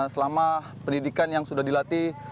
selama pendidikan yang sudah dilatih